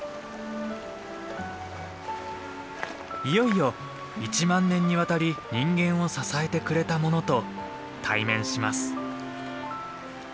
いよいよ１万年にわたり人間を支えてくれたものと対面します。